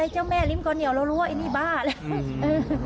ชั้นรู้ว่นนี้บ้าไง